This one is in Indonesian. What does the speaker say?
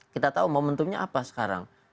kita tahu momentumnya apa sekarang